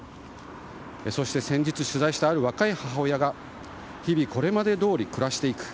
そして、先日取材したある若い母親が日々、これまでどおり暮らしていく。